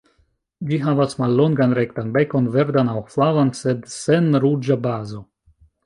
Ĝi havas mallongan rektan bekon, verdan aŭ flavan sed sen ruĝa bazo.